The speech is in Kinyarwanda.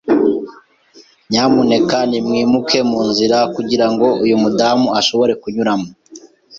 Nyamuneka nimwimuke munzira kugirango uyu mudamu ashobore kunyuramo.